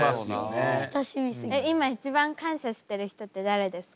えっ今一番感謝してる人って誰ですか？